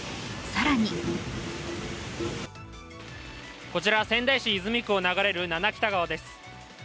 更に仙台市泉区を流れる七北田川です。